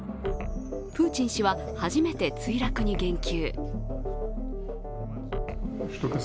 プーチン氏は初めて墜落に言及。